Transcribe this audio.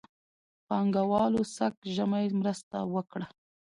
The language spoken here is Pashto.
پانګهوالو سږ ژمی مرسته وکړه.